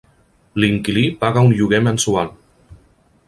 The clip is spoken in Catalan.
L"inquilí paga un lloguer mensual.